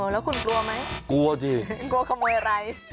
แล้วคุณกลัวไหมกลัวสิคุณกลัวขโมยอะไร